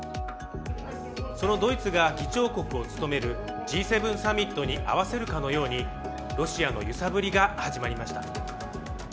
そのドイツが議長国を務めるＧ７サミットに合わせるかのようにロシアの揺さぶりが始まりました。